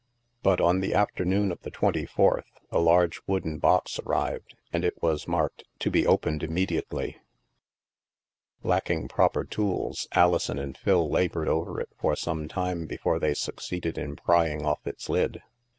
But on the afternoon of the twenty fourth, a large wooden box arrived, and it was marked " to be opened immediately." Lacking proper tools, Alison and Phil labored over it for some time before they succeeded in pry ing off its lid.